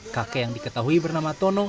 kakek yang diketahui bernama tono